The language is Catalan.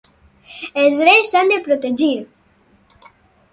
Els drets s'han de protegir!